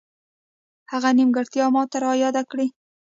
هغه نیمګړتیاوې ماته را یادې کړې.